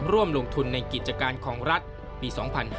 ร่วมลงทุนในกิจการของรัฐปี๒๕๕๙